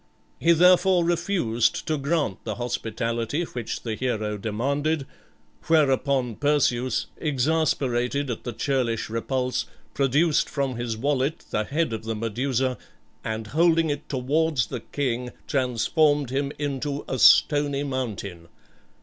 He therefore refused to grant the hospitality which the hero demanded, whereupon Perseus, exasperated at the churlish repulse, produced from his wallet the head of the Medusa, and holding it towards the king, transformed him into a stony mountain.